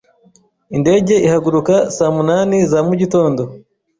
Indege ihaguruka saa munani za mugitondo